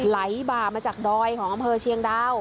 ไหลบ่ามาจากดอยของอำเภอเชียงดาว